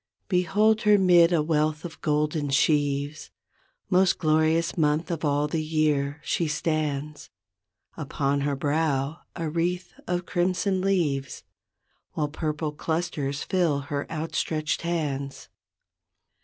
Behold her 'mid a wealth of golden sheaves, Most glorious month of all the year, she stands. Upon her brow a wreath of crimson leaves. While purple clusters fill her outstretched hands.